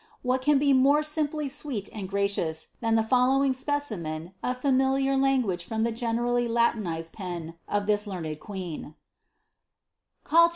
What can be more simply sweet and gracious than the following specimen of familiar language from the generally Latinized pen of this learned queen :—" Call w. .